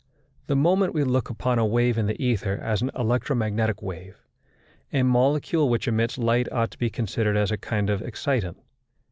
The moment we look upon a wave in the ether as an electromagnetic wave, a molecule which emits light ought to be considered as a kind of excitant.